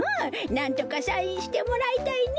なんとかサインしてもらいたいねえ。